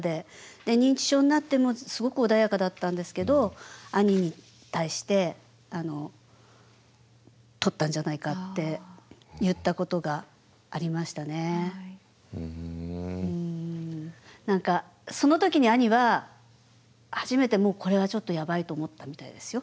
で認知症になってもすごく穏やかだったんですけど兄に対して何かその時に兄は初めてもうこれはちょっとやばいと思ったみたいですよ。